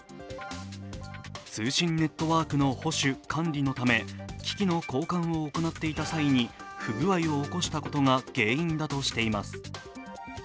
通信ネットワークの保守・管理のため機器の交換を行っていた際に不具合を起こしたことが原因だとしています。